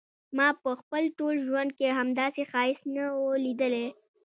ما په خپل ټول ژوند کې همداسي ښایست نه و ليدلی.